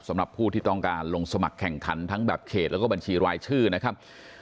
สำหรับผู้ที่ต้องการลงสมัครแข่งขันทั้งแบบเขตแล้วก็บัญชีรายชื่อนะครับ